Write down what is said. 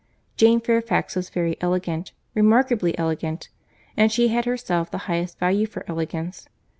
Jane Fairfax was very elegant, remarkably elegant; and she had herself the highest value for elegance.